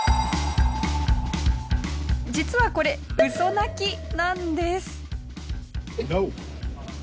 実はこれウソ泣きなんです。